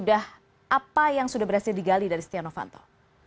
apa yang sudah berhasil digali dari setia novanto